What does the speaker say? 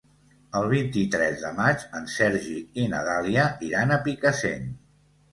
El vint-i-tres de maig en Sergi i na Dàlia iran a Picassent.